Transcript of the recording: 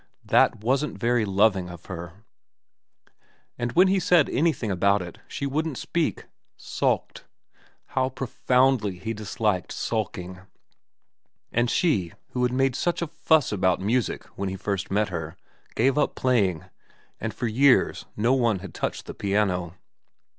That wasn't very loving of her. And when he said anything about it she wouldn't speak. Sulked. How profoundly he disliked sulking. And she, who had made such a fuss about music when first he met her, gave up playing, and for years no one had touched the piano.